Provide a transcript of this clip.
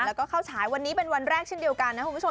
แล้วก็เข้าฉายวันนี้เป็นวันแรกเช่นเดียวกันนะคุณผู้ชม